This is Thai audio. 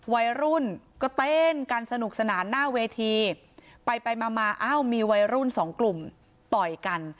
วัยรุ่นก็เต้นกันสนุกสนานหน้าเวทีไปไปมามาอ้าวมีวัยรุ่นสองกลุ่มต่อยกัน